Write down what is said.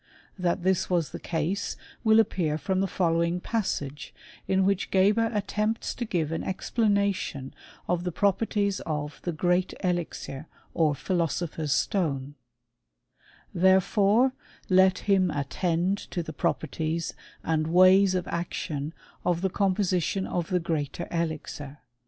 That this was the case will appear from the following passage, in which Geber attempts to give an explanation of thft properties of the great elixir or philosopher's stone >" Therefore, let him attend to the properties and ways of action of the composition of the greater elixir.